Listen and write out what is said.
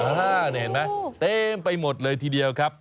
เห็นไหมเต็มไปหมดเลยทีเดียวครับ